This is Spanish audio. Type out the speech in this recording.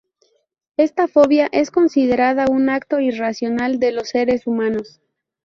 Esta fobia es considerada un acto irracional de los seres humanos.